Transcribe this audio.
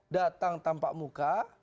datang tanpa muka